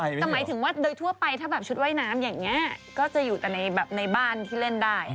แต่หมายถึงว่าโดยทั่วไปถ้าแบบชุดว่ายน้ำอย่างนี้ก็จะอยู่แต่ในบ้านที่เล่นได้